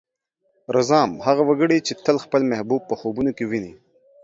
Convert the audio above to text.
رځام: هغه وګړی چې تل خپل محبوب په خوبونو کې ويني.